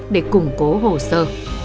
để củng cố hồ sơ